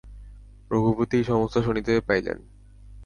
রঘুপতি এই-সমস্ত শুনিতে পাইলেন।